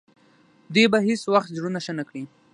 دوی به هیڅ وخت زړونه ښه نه کړي.